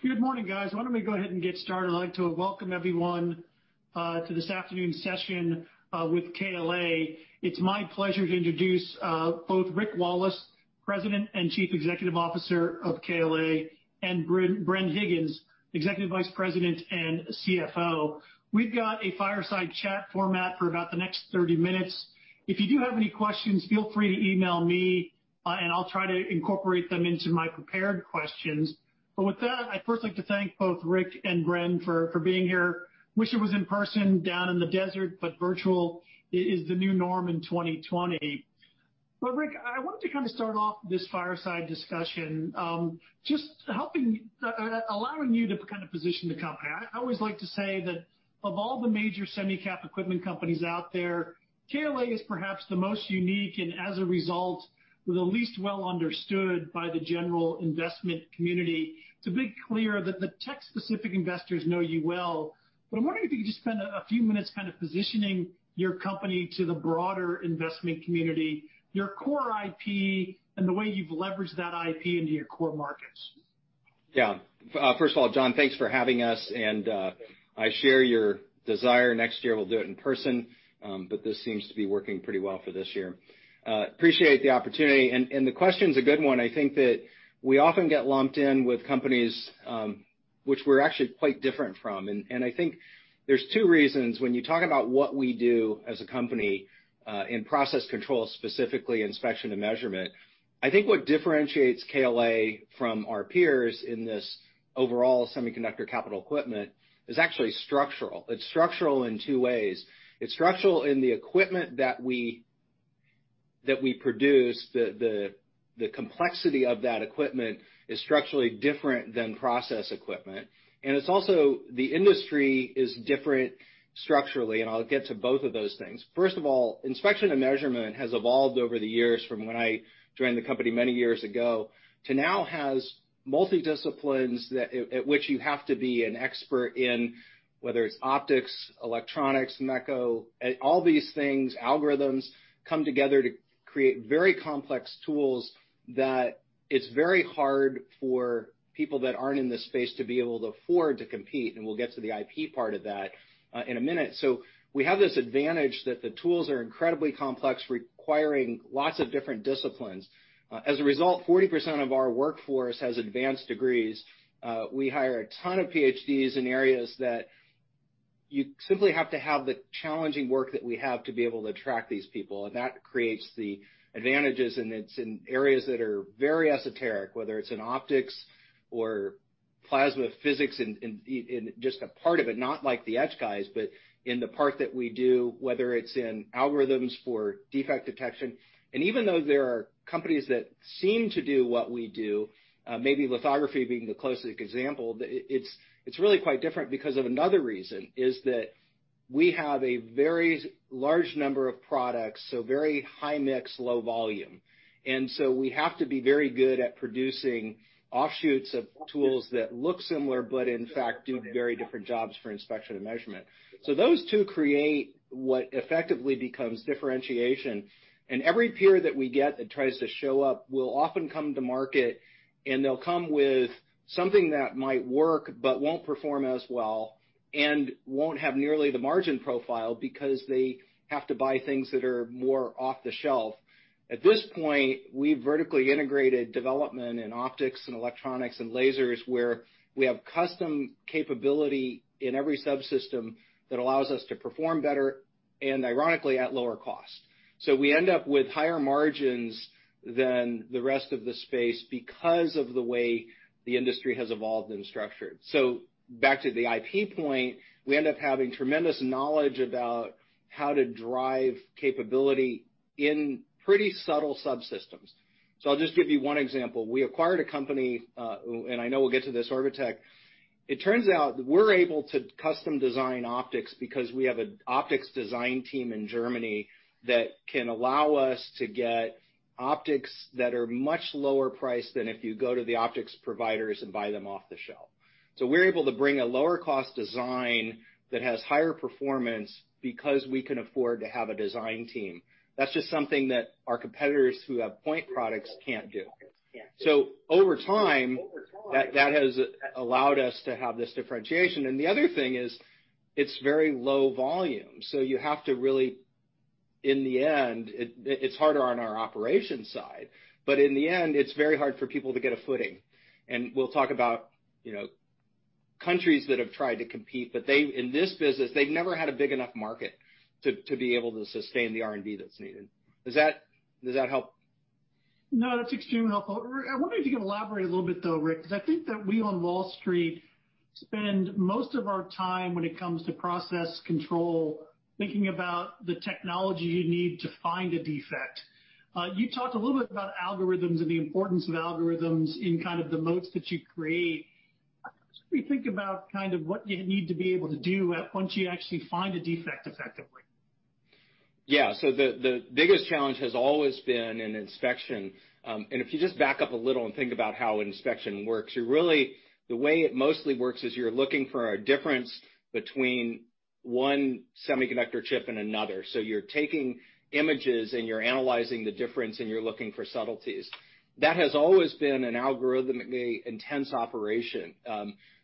Good morning, guys. Why don't we go ahead and get started? I'd like to welcome everyone to this afternoon's session with KLA. It's my pleasure to introduce both Rick Wallace, President and Chief Executive Officer of KLA, and Bren Higgins, Executive Vice President and CFO. We've got a fireside chat format for about the next 30 minutes. If you do have any questions, feel free to email me, and I'll try to incorporate them into my prepared questions. With that, I'd first like to thank both Rick and Bren for being here. Wish it was in person down in the desert, but virtual is the new norm in 2020. Rick, I wanted to kind of start off this fireside discussion, just allowing you to kind of position the company. I always like to say that of all the major semi-cap equipment companies out there, KLA is perhaps the most unique, and as a result, the least well understood by the general investment community. To be clear, the tech specific investors know you well, but I'm wondering if you could just spend a few minutes kind of positioning your company to the broader investment community, your core IP, and the way you've leveraged that IP into your core markets. Yeah. First of all, John, thanks for having us. I share your desire. Next year, we'll do it in person. This seems to be working pretty well for this year. Appreciate the opportunity. The question's a good one. I think that we often get lumped in with companies, which we're actually quite different from. I think there's two reasons when you talk about what we do as a company, in process control, specifically inspection and measurement. I think what differentiates KLA from our peers in this overall semiconductor capital equipment is actually structural. It's structural in two ways. It's structural in the equipment that we produce. The complexity of that equipment is structurally different than process equipment. It's also the industry is different structurally. I'll get to both of those things. First of all, inspection and measurement has evolved over the years from when I joined the company many years ago to now has multi-disciplines at which you have to be an expert in, whether it's optics, electronics, mechatronics, all these things, algorithms, come together to create very complex tools that it's very hard for people that aren't in this space to be able to afford to compete, and we'll get to the IP part of that in a minute. We have this advantage that the tools are incredibly complex, requiring lots of different disciplines. As a result, 40% of our workforce has advanced degrees. We hire a ton of PhDs in areas that you simply have to have the challenging work that we have to be able to attract these people. That creates the advantages, it's in areas that are very esoteric, whether it's in optics or plasma physics in just a part of it, not like the edge guys, but in the part that we do, whether it's in algorithms for defect detection. Even though there are companies that seem to do what we do, maybe lithography being the closest example, it's really quite different because of another reason, is that we have a very large number of products, very high mix, low volume. We have to be very good at producing offshoots of tools that look similar, but in fact, do very different jobs for inspection and measurement. Those two create what effectively becomes differentiation. Every peer that we get that tries to show up will often come to market, and they'll come with something that might work but won't perform as well, and won't have nearly the margin profile because they have to buy things that are more off the shelf. At this point, we've vertically integrated development in optics and electronics and lasers where we have custom capability in every subsystem that allows us to perform better and ironically, at lower cost. We end up with higher margins than the rest of the space because of the way the industry has evolved and structured. Back to the IP point, we end up having tremendous knowledge about how to drive capability in pretty subtle subsystems. I'll just give you one example. We acquired a company, and I know we'll get to this, Orbotech. It turns out we're able to custom design optics because we have an optics design team in Germany that can allow us to get optics that are much lower priced than if you go to the optics providers and buy them off the shelf. We're able to bring a lower cost design that has higher performance because we can afford to have a design team. That's just something that our competitors who have point products can't do. Over time, that has allowed us to have this differentiation. The other thing is it's very low volume, so you have to really, in the end, it's harder on our operations side, but in the end, it's very hard for people to get a footing. We'll talk about countries that have tried to compete, but in this business, they've never had a big enough market to be able to sustain the R&D that's needed. Does that help? No, that's extremely helpful. I wonder if you can elaborate a little bit though, Rick, because I think that we on Wall Street spend most of our time when it comes to process control, thinking about the technology you need to find a defect. You talked a little bit about algorithms and the importance of algorithms in kind of the moats that you create. What do you think about kind of what you need to be able to do once you actually find a defect effectively? Yeah. The biggest challenge has always been in inspection. If you just back up a little and think about how inspection works, the way it mostly works is you're looking for a difference between one semiconductor chip in another. You're taking images and you're analyzing the difference, and you're looking for subtleties. That has always been an algorithmically intense operation.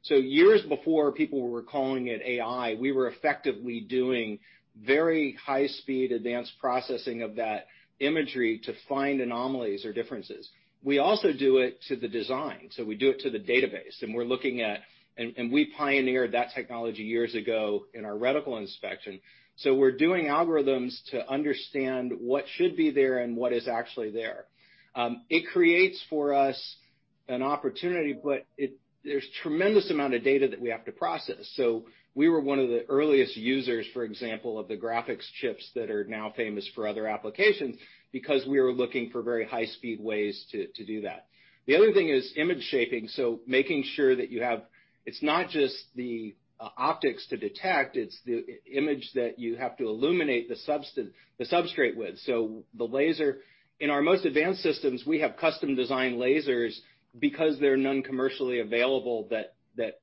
Years before people were calling it AI, we were effectively doing very high-speed advanced processing of that imagery to find anomalies or differences. We also do it to the design. We do it to the database, and we pioneered that technology years ago in our reticle inspection. We're doing algorithms to understand what should be there and what is actually there. It creates for us an opportunity, there's tremendous amount of data that we have to process. We were one of the earliest users, for example, of the graphics chips that are now famous for other applications because we were looking for very high-speed ways to do that. The other thing is image shaping. Making sure that you have, it's not just the optics to detect, it's the image that you have to illuminate the substrate with. The laser, in our most advanced systems, we have custom-designed lasers because there are none commercially available that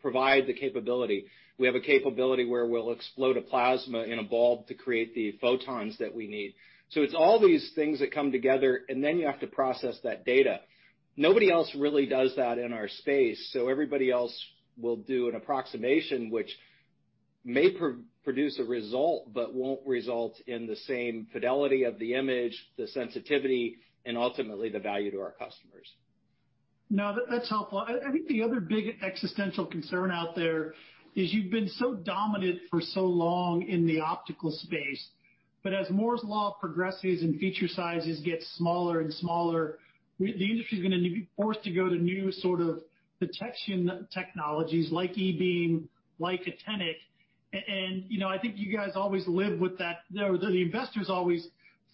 provide the capability. We have a capability where we'll explode a plasma in a bulb to create the photons that we need. It's all these things that come together, and then you have to process that data. Nobody else really does that in our space. Everybody else will do an approximation which may produce a result, but won't result in the same fidelity of the image, the sensitivity, and ultimately the value to our customers. No, that's helpful. I think the other big existential concern out there is you've been so dominant for so long in the optical space, but as Moore's law progresses and feature sizes get smaller and smaller, the industry's going to be forced to go to new sort of detection technologies like E-beam, like Actinic. I think you guys always live with that. The investors always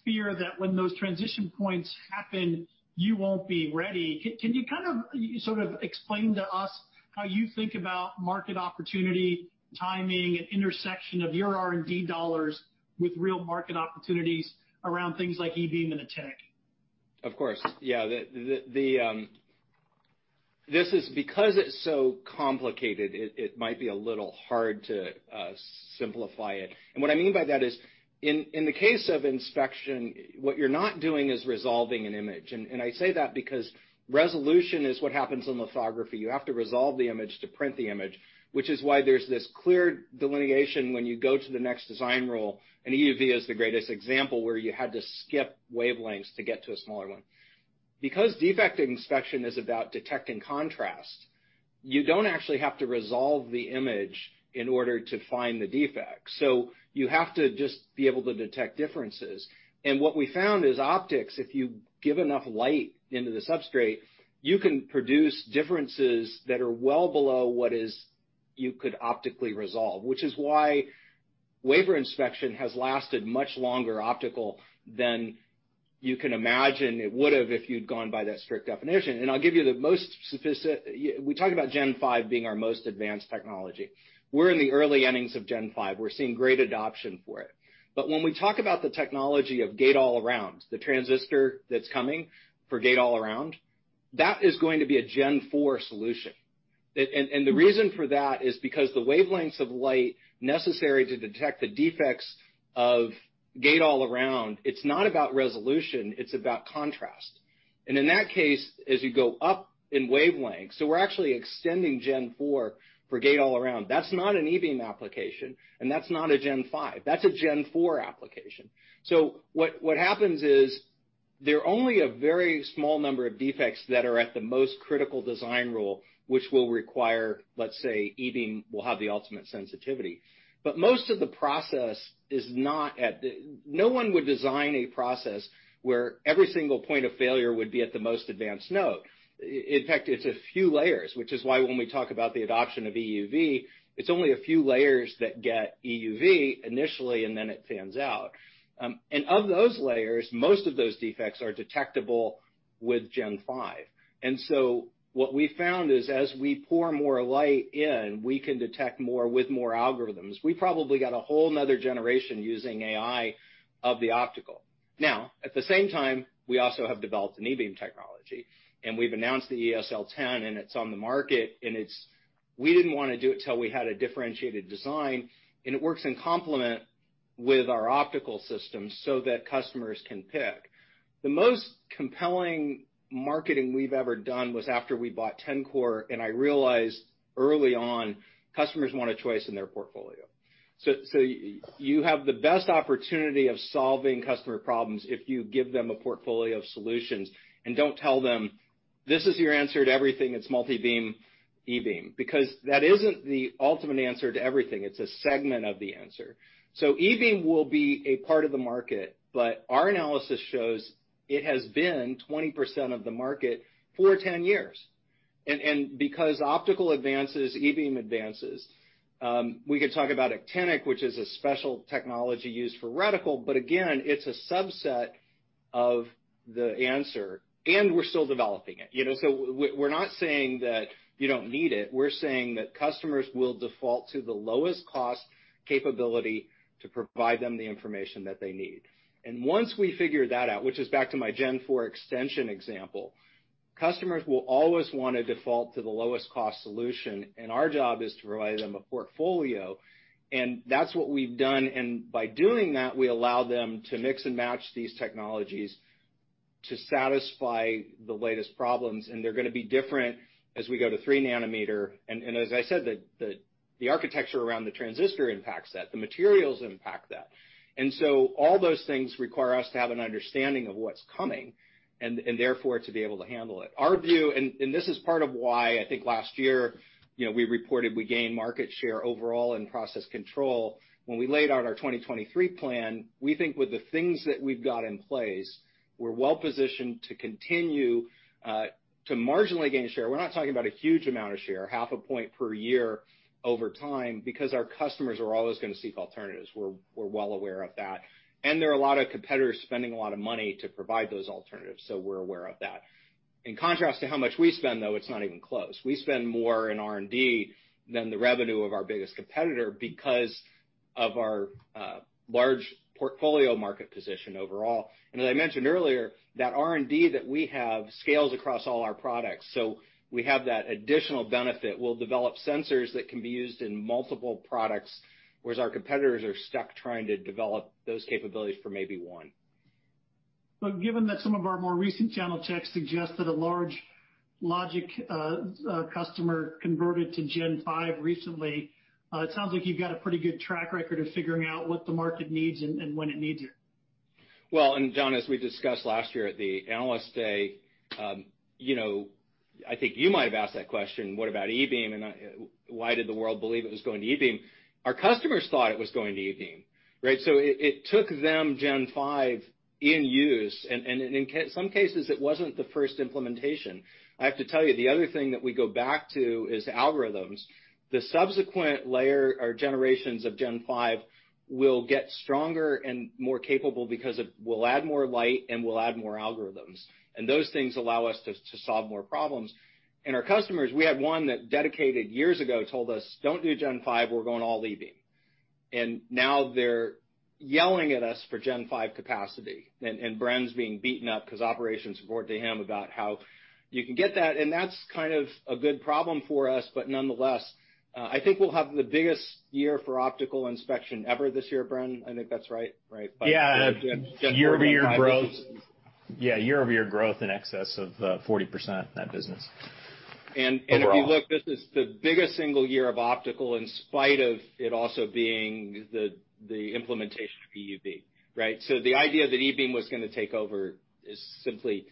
fear that when those transition points happen, you won't be ready. Can you kind of, sort of explain to us how you think about market opportunity, timing, and intersection of your R&D dollars with real market opportunities around things like E-beam and Actinic? Of course. Yeah. This is because it's so complicated, it might be a little hard to simplify it. What I mean by that is, in the case of inspection, what you're not doing is resolving an image. I say that because resolution is what happens in lithography. You have to resolve the image to print the image, which is why there's this clear delineation when you go to the next design rule. EUV is the greatest example, where you had to skip wavelengths to get to a smaller one. Defect inspection is about detecting contrast, you don't actually have to resolve the image in order to find the defect. You have to just be able to detect differences. What we found is optics, if you give enough light into the substrate, you can produce differences that are well below what is you could optically resolve, which is why wafer inspection has lasted much longer optical than you can imagine it would've if you'd gone by that strict definition. We talk about Gen5 being our most advanced technology. We're in the early innings of Gen5. We're seeing great adoption for it. When we talk about the technology of Gate-All-Around, the transistor that's coming for Gate-All-Around, that is going to be a Gen4 solution. The reason for that is because the wavelengths of light necessary to detect the defects of Gate-All-Around, it's not about resolution, it's about contrast. In that case, as you go up in wavelength, so we're actually extending Gen4 for Gate-All-Around. That's not an E-beam application, and that's not a Gen 5. That's a Gen 4 application. What happens is there are only a very small number of defects that are at the most critical design rule, which will require, let's say, E-beam will have the ultimate sensitivity. Most of the process is not at the most advanced node. No one would design a process where every single point of failure would be at the most advanced node. In fact, it's a few layers, which is why when we talk about the adoption of EUV, it's only a few layers that get EUV initially, and then it fans out. Of those layers, most of those defects are detectable with Gen 5. What we've found is as we pour more light in, we can detect more with more algorithms. We probably got a whole another generation using AI of the optical. Now, at the same time, we also have developed an E-beam technology, and we've announced the eSL10 and it's on the market, and it's. We didn't want to do it till we had a differentiated design, and it works in complement with our optical systems so that customers can pick. The most compelling marketing we've ever done was after we bought Tencor, and I realized early on, customers want a choice in their portfolio. You have the best opportunity of solving customer problems if you give them a portfolio of solutions and don't tell them, "This is your answer to everything, it's multi-beam E-beam." Because that isn't the ultimate answer to everything. It's a segment of the answer. E-beam will be a part of the market, but our analysis shows it has been 20% of the market for 10 years. Because optical advances, E-beam advances. We could talk about Actinic, which is a special technology used for reticle, but again, it's a subset of the answer, and we're still developing it. We're not saying that you don't need it. We're saying that customers will default to the lowest cost capability to provide them the information that they need. Once we figure that out, which is back to my Gen4 extension example. Customers will always want to default to the lowest cost solution, and our job is to provide them a portfolio, and that's what we've done. By doing that, we allow them to mix and match these technologies to satisfy the latest problems. They're going to be different as we go to three nanometer. As I said, the architecture around the transistor impacts that, the materials impact that. All those things require us to have an understanding of what's coming, and therefore, to be able to handle it. Our view, and this is part of why I think last year, we reported we gained market share overall in process control. When we laid out our 2023 plan, we think with the things that we've got in place, we're well-positioned to continue to marginally gain share. We're not talking about a huge amount of share, half a point per year over time, because our customers are always going to seek alternatives. We're well aware of that. There are a lot of competitors spending a lot of money to provide those alternatives, so we're aware of that. In contrast to how much we spend, though, it's not even close. We spend more in R&D than the revenue of our biggest competitor because of our large portfolio market position overall. As I mentioned earlier, that R&D that we have scales across all our products. We have that additional benefit. We'll develop sensors that can be used in multiple products, whereas our competitors are stuck trying to develop those capabilities for maybe one. Given that some of our more recent channel checks suggest that a large logic customer converted to Gen 5 recently, it sounds like you've got a pretty good track record of figuring out what the market needs and when it needs it. Well, John, as we discussed last year at the Analyst Day, I think you might have asked that question, what about E-beam, and why did the world believe it was going to E-beam? Our customers thought it was going to E-beam, right? It took them Gen 5 in use, and in some cases, it wasn't the first implementation. I have to tell you, the other thing that we go back to is algorithms. The subsequent layer or generations of Gen 5 will get stronger and more capable because it will add more light and will add more algorithms. Those things allow us to solve more problems. Our customers, we had one that dedicated years ago, told us, "Don't do Gen 5, we're going all E-beam." Now they're yelling at us for Gen 5 capacity, and Bren's being beaten up because operations report to him about how you can get that, and that's kind of a good problem for us. Nonetheless, I think we'll have the biggest year for optical inspection ever this year, Bren. I think that's right. Yeah. Year-over-year growth in excess of 40% in that business overall. if you look, this is the biggest single year of optical in spite of it also being the implementation of EUV, right? The idea that E-beam was going to take over is simply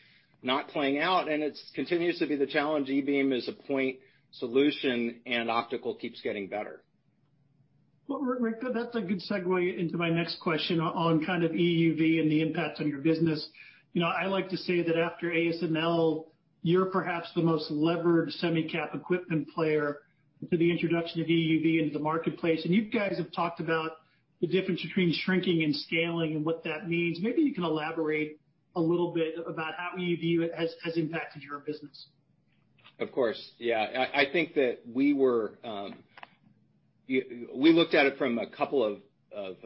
not playing out, and it continues to be the challenge. E-beam is a point solution, and optical keeps getting better. Well, Rick, that's a good segue into my next question on kind of EUV and the impacts on your business. I like to say that after ASML, you're perhaps the most levered semi cap equipment player to the introduction of EUV into the marketplace. you guys have talked about the difference between shrinking and scaling and what that means. Maybe you can elaborate a little bit about how EUV has impacted your business. Of course. Yeah. I think that we looked at it from a couple of fronts.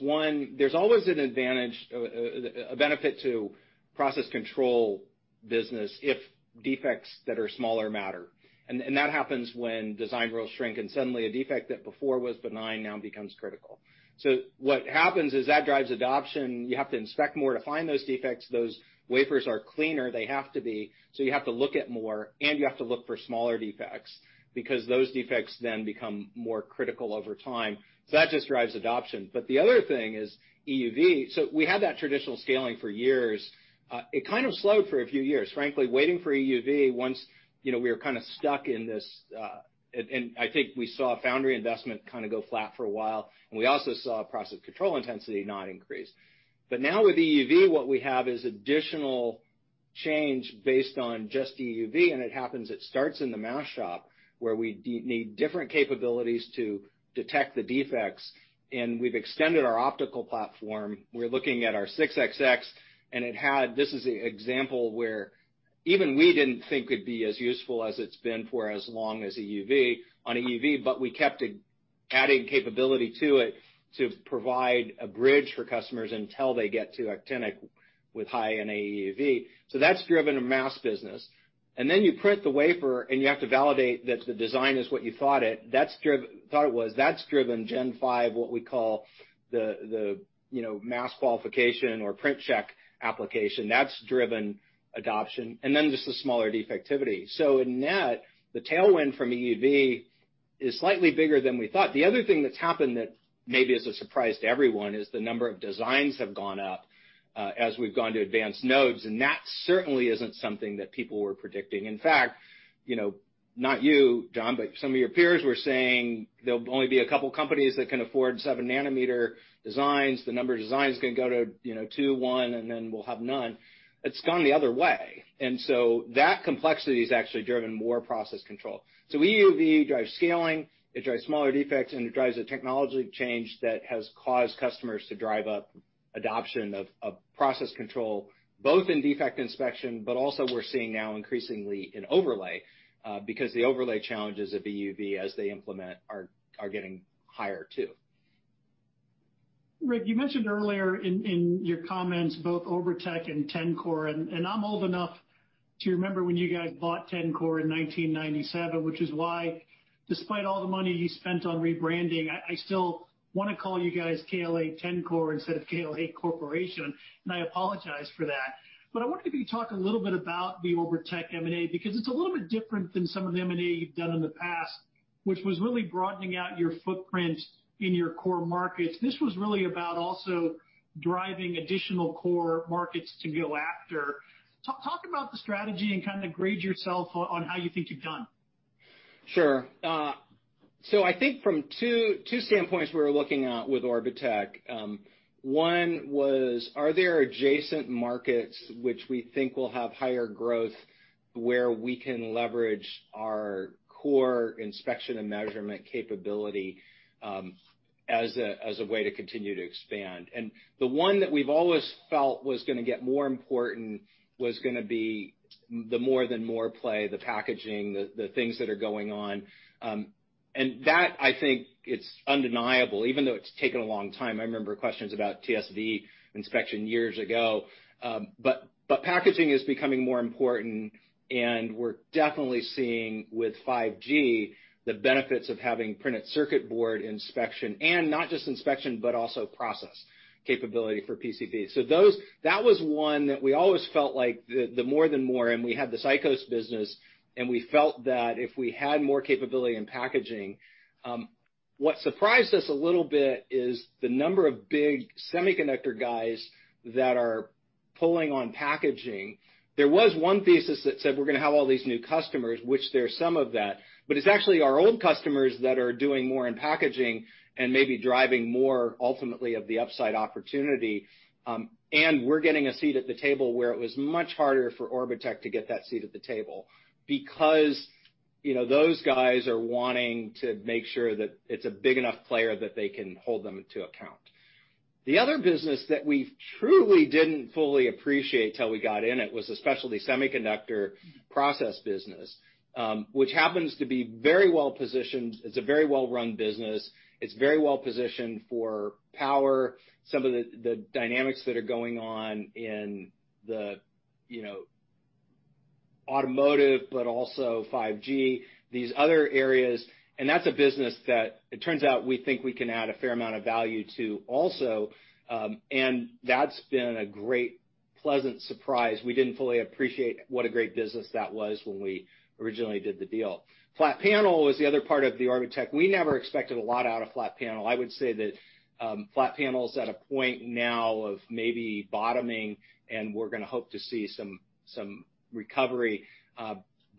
One, there's always a benefit to process control business if defects that are smaller matter. That happens when design rules shrink, and suddenly a defect that before was benign now becomes critical. What happens is that drives adoption. You have to inspect more to find those defects. Those wafers are cleaner, they have to be. You have to look at more, and you have to look for smaller defects, because those defects then become more critical over time. That just drives adoption. The other thing is EUV. We had that traditional scaling for years. It kind of slowed for a few years, frankly, waiting for EUV once we were kind of stuck in this. I think we saw foundry investment kind of go flat for a while, and we also saw process control intensity not increase. Now with EUV, what we have is additional change based on just EUV, and it happens, it starts in the mask shop, where we need different capabilities to detect the defects. We've extended our optical platform. We're looking at our 6XX, and this is an example where even we didn't think it'd be as useful as it's been for as long as EUV, on EUV, but we kept adding capability to it to provide a bridge for customers until they get to actinic with high NA EUV. That's driven a mask business. You print the wafer, and you have to validate that the design is what you thought it was. That's driven Gen 5, what we call the mask qualification or print check application. That's driven adoption. Just the smaller defectivity. In net, the tailwind from EUV is slightly bigger than we thought. The other thing that's happened that maybe is a surprise to everyone is the number of designs have gone up, as we've gone to advanced nodes, and that certainly isn't something that people were predicting. In fact, not you, John, but some of your peers were saying there'll only be a couple companies that can afford seven-nanometer designs. The number of designs is going to go to two, one, and then we'll have none. It's gone the other way. That complexity has actually driven more process control. EUV drives scaling, it drives smaller defects, and it drives a technology change that has caused customers to drive up adoption of process control, both in defect inspection, but also we're seeing now increasingly in overlay, because the overlay challenges of EUV as they implement are getting higher too. Rick, you mentioned earlier in your comments both Orbotech and Tencor. I'm old enough to remember when you guys bought Tencor in 1997, which is why, despite all the money you spent on rebranding, I still want to call you guys KLA Tencor instead of KLA Corporation, and I apologize for that. I wanted to talk a little bit about the Orbotech M&A, because it's a little bit different than some of the M&A you've done in the past, which was really broadening out your footprint in your core markets. This was really about also driving additional core markets to go after. Talk about the strategy and kind of grade yourself on how you think you've done. Sure. I think from two standpoints we were looking at with Orbotech. One was, are there adjacent markets which we think will have higher growth, where we can leverage our core inspection and measurement capability, as a way to continue to expand? The one that we've always felt was going to get more important was going to be the More than Moore play, the packaging, the things that are going on. That I think it's undeniable, even though it's taken a long time. I remember questions about TSV inspection years ago. Packaging is becoming more important, and we're definitely seeing with 5G the benefits of having printed circuit board inspection and not just inspection, but also process capability for PCB. That was one that we always felt like the more than more, and we had the Cycos business, and we felt that if we had more capability in packaging. What surprised us a little bit is the number of big semiconductor guys that are pulling on packaging. There was one thesis that said, we're going to have all these new customers, which there's some of that, but it's actually our old customers that are doing more in packaging and maybe driving more ultimately of the upside opportunity. We're getting a seat at the table where it was much harder for Orbotech to get that seat at the table, because those guys are wanting to make sure that it's a big enough player that they can hold them to account. The other business that we truly didn't fully appreciate till we got in it was the Specialty Semiconductor Process business, which happens to be very well positioned. It's a very well-run business. It's very well positioned for power. Some of the dynamics that are going on in the automotive, but also 5G, these other areas, and that's a business that it turns out we think we can add a fair amount of value to also, and that's been a great pleasant surprise. We didn't fully appreciate what a great business that was when we originally did the deal. Flat panel was the other part of the Orbotech. We never expected a lot out of flat panel. I would say that flat panel's at a point now of maybe bottoming, and we're going to hope to see some recovery.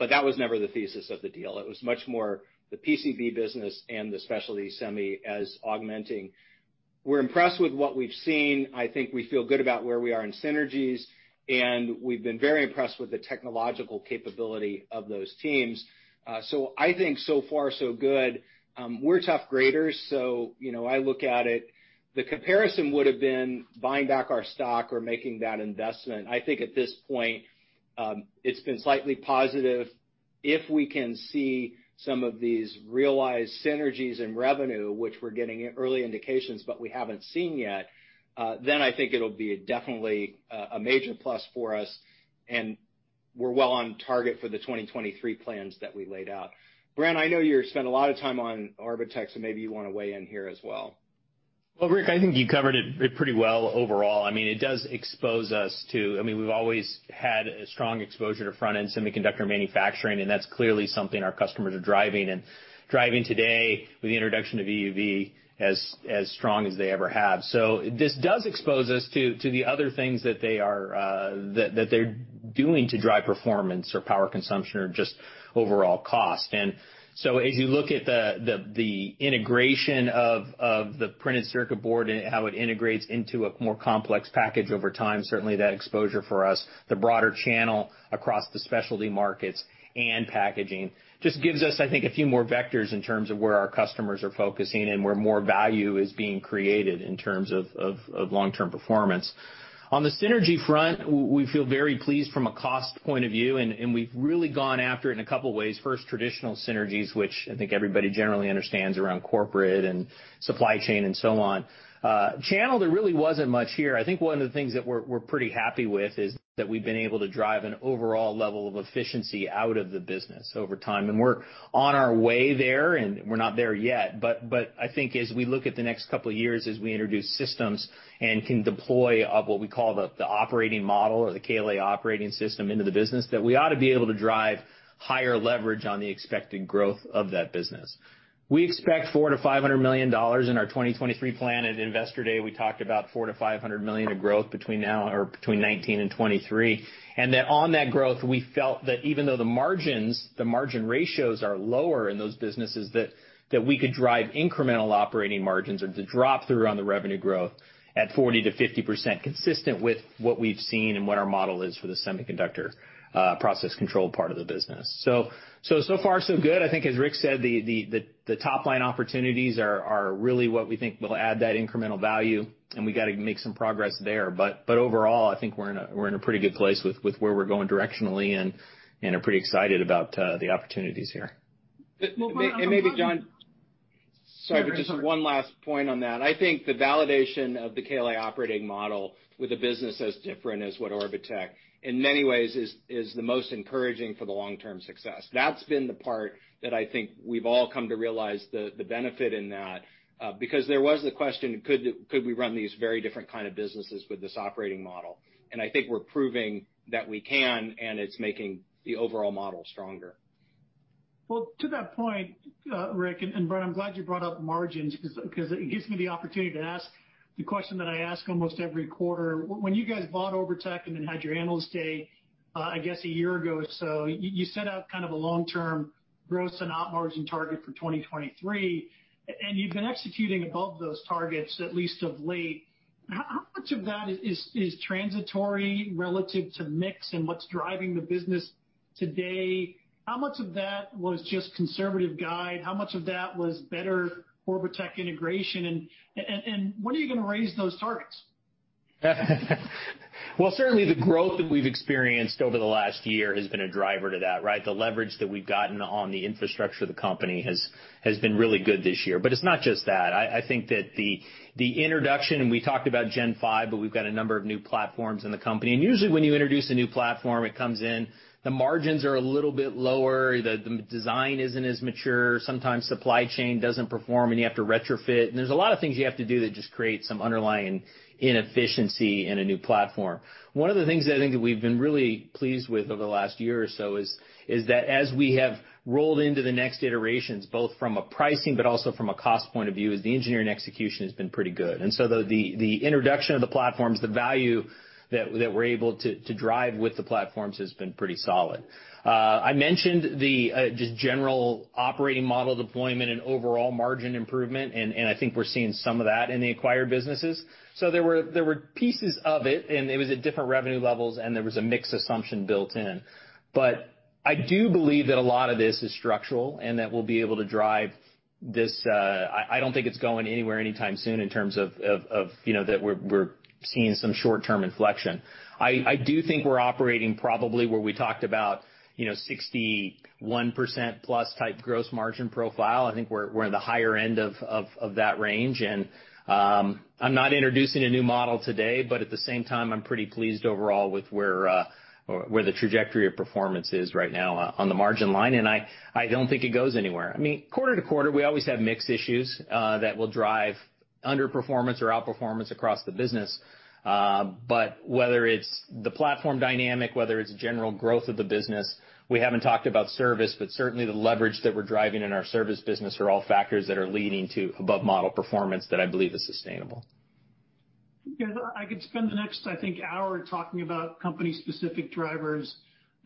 That was never the thesis of the deal. It was much more the PCB business and the specialty semi as augmenting. We're impressed with what we've seen. I think we feel good about where we are in synergies, and we've been very impressed with the technological capability of those teams. I think so far so good. We're tough graders, so I look at it, the comparison would've been buying back our stock or making that investment. I think at this point, it's been slightly positive. If we can see some of these realized synergies in revenue, which we're getting early indications but we haven't seen yet, then I think it'll be definitely a major plus for us, and we're well on target for the 2023 plans that we laid out. Bren, I know you spend a lot of time on Orbotech, so maybe you want to weigh in here as well. Well, Rick, I think you covered it pretty well overall. It does expose us to. We've always had a strong exposure to front-end semiconductor manufacturing, and that's clearly something our customers are driving and driving today with the introduction of EUV as strong as they ever have. This does expose us to the other things that they're doing to drive performance or power consumption or just overall cost. As you look at the integration of the printed circuit board and how it integrates into a more complex package over time, certainly that exposure for us, the broader channel across the specialty markets and packaging just gives us, I think, a few more vectors in terms of where our customers are focusing and where more value is being created in terms of long-term performance. On the synergy front, we feel very pleased from a cost point of view, and we've really gone after it in a couple of ways. First, traditional synergies, which I think everybody generally understands around corporate and supply chain and so on. Channel, there really wasn't much here. I think one of the things that we're pretty happy with is that we've been able to drive an overall level of efficiency out of the business over time, and we're on our way there, and we're not there yet. I think as we look at the next couple of years, as we introduce systems and can deploy what we call the operating model or the KLA operating system into the business, that we ought to be able to drive higher leverage on the expected growth of that business. We expect $400 million-$500 million in our 2023 plan. At Investor Day, we talked about $400 million-$500 million of growth between now or between 2019 and 2023. that on that growth, we felt that even though the margins, the margin ratios are lower in those businesses, that we could drive incremental operating margins or the drop-through on the revenue growth at 40%-50%, consistent with what we've seen and what our model is for the semiconductor process control part of the business. So far so good. I think as Rick said, the top-line opportunities are really what we think will add that incremental value, and we got to make some progress there. overall, I think we're in a pretty good place with where we're going directionally and are pretty excited about the opportunities here. Maybe John, sorry, but just one last point on that. I think the validation of the KLA Operating Model with a business as different as what Orbotech, in many ways is the most encouraging for the long-term success. That's been the part that I think we've all come to realize the benefit in that, because there was the question, could we run these very different kind of businesses with this operating model? I think we're proving that we can, and it's making the overall model stronger. Well, to that point, Rick, and Bren, I'm glad you brought up margins because it gives me the opportunity to ask the question that I ask almost every quarter. When you guys bought Orbotech and then had your Analyst Day, I guess a year ago or so, you set out kind of a long-term gross and op margin target for 2023, and you've been executing above those targets, at least of late. How much of that is transitory relative to mix and what's driving the business today? How much of that was just conservative guide? How much of that was better Orbotech integration? When are you going to raise those targets? Well, certainly the growth that we've experienced over the last year has been a driver to that, right? The leverage that we've gotten on the infrastructure of the company has been really good this year. It's not just that. I think that the introduction, and we talked about Gen5, but we've got a number of new platforms in the company. Usually when you introduce a new platform, it comes in, the margins are a little bit lower, the design isn't as mature, sometimes supply chain doesn't perform, and you have to retrofit. There's a lot of things you have to do that just create some underlying inefficiency in a new platform. One of the things that I think that we've been really pleased with over the last year or so is that as we have rolled into the next iterations, both from a pricing but also from a cost point of view, is the engineering execution has been pretty good. The introduction of the platforms, the value that we're able to drive with the platforms has been pretty solid. I mentioned the just general operating model deployment and overall margin improvement, and I think we're seeing some of that in the acquired businesses. There were pieces of it, and it was at different revenue levels, and there was a mix assumption built in. I do believe that a lot of this is structural, and that we'll be able to drive this. I don't think it's going anywhere anytime soon in terms of that we're seeing some short-term inflection. I do think we're operating probably where we talked about 61%+ type gross margin profile. I think we're in the higher end of that range. I'm not introducing a new model today, but at the same time, I'm pretty pleased overall with where the trajectory of performance is right now on the margin line, and I don't think it goes anywhere. Quarter to quarter, we always have mix issues that will drive underperformance or outperformance across the business. Whether it's the platform dynamic, whether it's general growth of the business, we haven't talked about service, but certainly the leverage that we're driving in our service business are all factors that are leading to above-model performance that I believe is sustainable. I could spend the next, I think, hour talking about company-specific drivers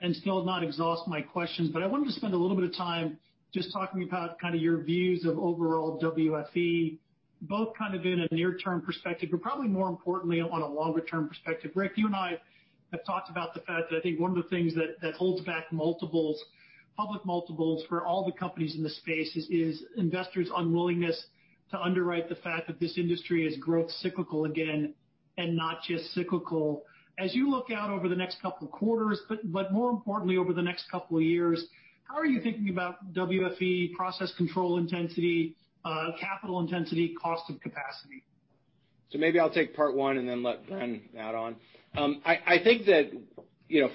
and still not exhaust my questions, but I wanted to spend a little bit of time just talking about kind of your views of overall WFE, both kind of in a near-term perspective, but probably more importantly, on a longer-term perspective. Rick, you and I have talked about the fact that I think one of the things that holds back multiples, public multiples, for all the companies in this space is investors' unwillingness to underwrite the fact that this industry is growth cyclical again, and not just cyclical. As you look out over the next couple of quarters, but more importantly over the next couple of years, how are you thinking about WFE process control intensity, capital intensity, cost of capacity? Maybe I'll take part one and then let Bren add on. I think that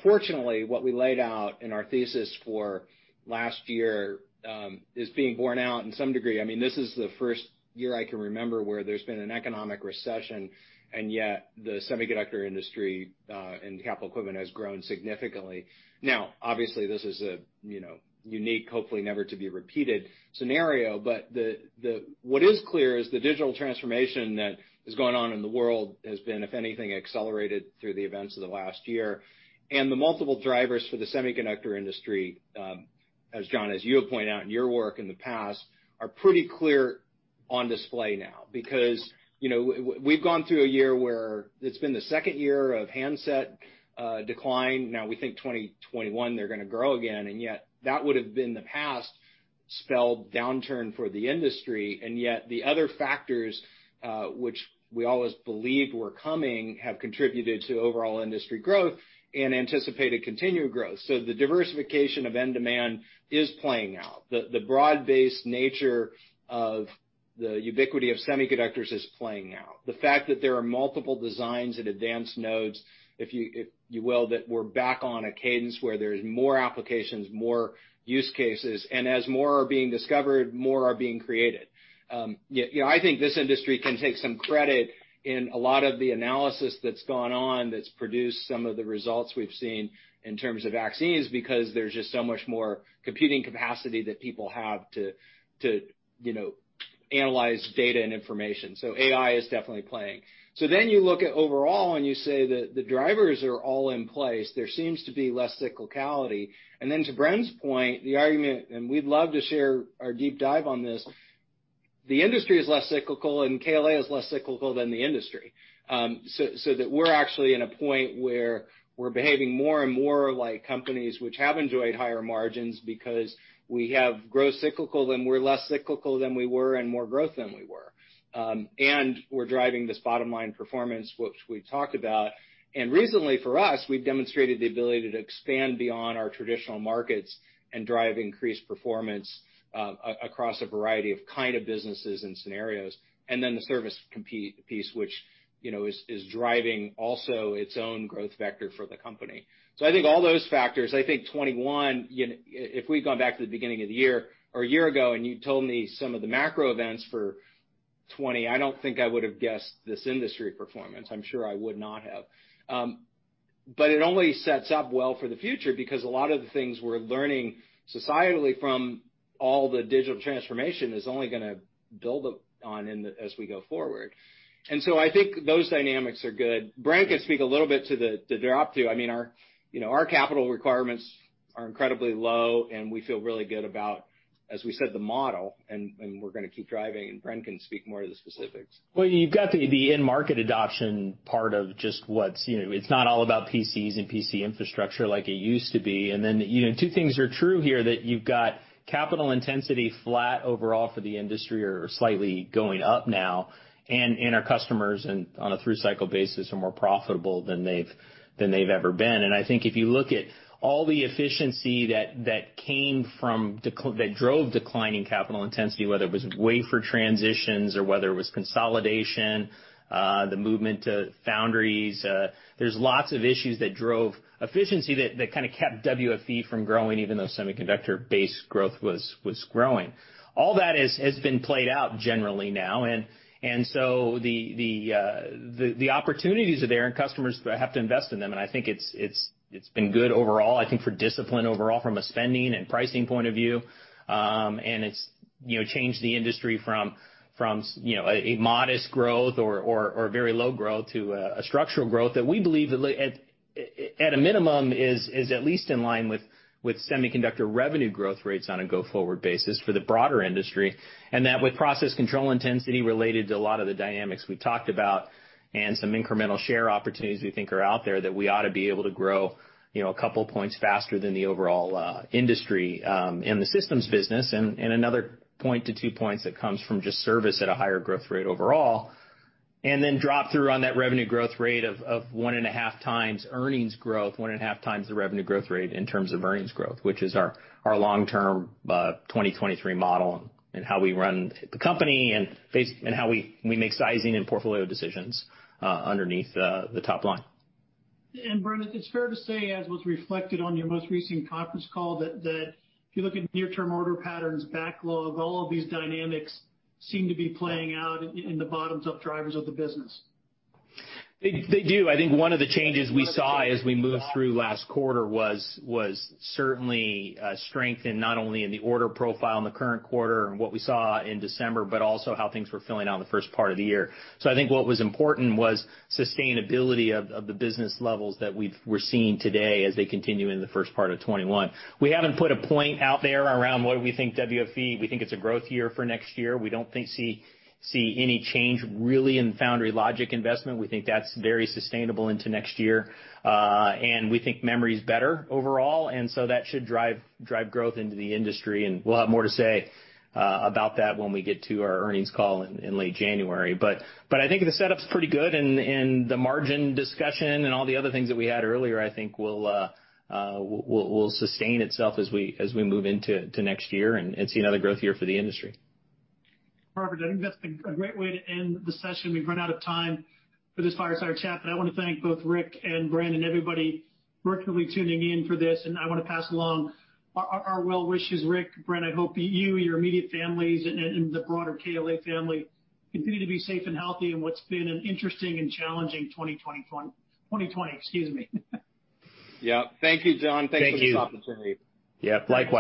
fortunately, what we laid out in our thesis for last year, is being borne out in some degree. This is the first year I can remember where there's been an economic recession, and yet the semiconductor industry, and capital equipment has grown significantly. Now, obviously, this is a unique, hopefully never to be repeated scenario. What is clear is the digital transformation that is going on in the world has been, if anything, accelerated through the events of the last year. The multiple drivers for the semiconductor industry, John, as you have pointed out in your work in the past, are pretty clear on display now. Because we've gone through a year where it's been the second year of handset decline. Now we think 2021, they're going to grow again, and yet that would have been the past spelled downturn for the industry. the other factors, which we always believed were coming, have contributed to overall industry growth and anticipated continued growth. the diversification of end demand is playing out. The broad-based nature of the ubiquity of semiconductors is playing out. The fact that there are multiple designs at advanced nodes, if you will, that we're back on a cadence where there's more applications, more use cases, and as more are being discovered, more are being created. I think this industry can take some credit in a lot of the analysis that's gone on that's produced some of the results we've seen in terms of vaccines, because there's just so much more computing capacity that people have to analyze data and information. AI is definitely playing. You look at overall, and you say that the drivers are all in place. There seems to be less cyclicality. To Bren's point, the argument, and we'd love to share our deep dive on this, the industry is less cyclical, and KLA is less cyclical than the industry. That we're actually in a point where we're behaving more and more like companies which have enjoyed higher margins because we have growth cyclical, then we're less cyclical than we were and more growth than we were. We're driving this bottom-line performance, which we talked about. Recently, for us, we've demonstrated the ability to expand beyond our traditional markets and drive increased performance across a variety of kind of businesses and scenarios. The service piece, which is driving also its own growth vector for the company. I think all those factors, I think 2021, if we'd gone back to the beginning of the year or a year ago, and you told me some of the macro events for 2020, I don't think I would've guessed this industry performance. I'm sure I would not have. It only sets up well for the future because a lot of the things we're learning societally from all the digital transformation is only going to build up on as we go forward. I think those dynamics are good. Bren can speak a little bit to the drop to. Our capital requirements are incredibly low, and we feel really good about, as we said, the model, and we're going to keep driving, and Bren can speak more to the specifics. Well, you've got the in-market adoption part of just what's. It's not all about PCs and PC infrastructure like it used to be. Two things are true here, that you've got capital intensity flat overall for the industry or slightly going up now. Our customers, on a through-cycle basis, are more profitable than they've ever been. I think if you look at all the efficiency that drove declining capital intensity, whether it was wafer transitions or whether it was consolidation, the movement to foundries, there's lots of issues that drove efficiency that kind of kept WFE from growing, even though semiconductor base growth was growing. All that has been played out generally now. The opportunities are there, and customers have to invest in them, and I think it's been good overall, I think for discipline overall from a spending and pricing point of view. It's changed the industry from a modest growth or very low growth to a structural growth that we believe, at a minimum, is at least in line with semiconductor revenue growth rates on a go-forward basis for the broader industry. That with process control intensity related to a lot of the dynamics we talked about and some incremental share opportunities we think are out there, that we ought to be able to grow a couple points faster than the overall industry, and the systems business, and another point to two points that comes from just service at a higher growth rate overall. Drop-through on that revenue growth rate of one and a half times earnings growth, one and a half times the revenue growth rate in terms of earnings growth, which is our long-term 2023 model, and how we run the company, and how we make sizing and portfolio decisions underneath the top line. Bren, it's fair to say, as was reflected on your most recent conference call, that if you look at near-term order patterns, backlog, all of these dynamics seem to be playing out in the bottoms-up drivers of the business. They do. I think one of the changes we saw as we moved through last quarter was certainly a strength in not only in the order profile in the current quarter and what we saw in December, but also how things were filling out in the first part of the year. I think what was important was sustainability of the business levels that we're seeing today as they continue into the first part of 2021. We haven't put a point out there around what we think WFE, we think it's a growth year for next year. We don't see any change, really, in the foundry logic investment. We think that's very sustainable into next year. We think memory's better overall, and so that should drive growth into the industry, and we'll have more to say about that when we get to our earnings call in late January. I think the setup's pretty good, and the margin discussion and all the other things that we had earlier, I think will sustain itself as we move into next year and see another growth year for the industry. Perfect. I think that's a great way to end the session. We've run out of time for this fireside chat, but I want to thank both Rick and Bren and everybody virtually tuning in for this, and I want to pass along our well wishes, Rick, Bren, I hope you, your immediate families, and the broader KLA family continue to be safe and healthy in what's been an interesting and challenging 2021. 2020, excuse me. Yeah. Thank you, John. Thank you. Thanks for this opportunity. Yeah, likewise.